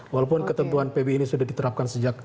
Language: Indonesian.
walaupun ketentuan pb ini sudah diterapkan sejak